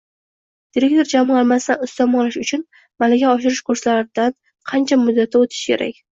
Direktor jamg‘armasidan ustama olish uchun malaka oshirish kurslaridan qancha muddatda o‘tishi kerak?